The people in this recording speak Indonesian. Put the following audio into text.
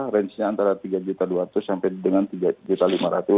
range nya antara rp tiga dua ratus sampai dengan rp tiga lima ratus